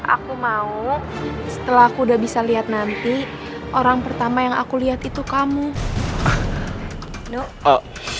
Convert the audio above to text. aku mau setelah aku udah bisa lihat nanti orang pertama yang aku lihat itu kamu